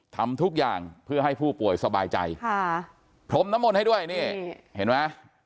ทำทุกอย่างเพื่อให้ผู้ป่วยสบายใจค่ะพรมน้ำมนต์ให้ด้วยนี่เห็นไหม